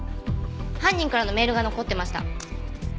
犯人からのメールが残ってました。